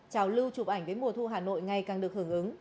trào lưu chụp ảnh với mùa thu hà nội ngày càng được hưởng ứng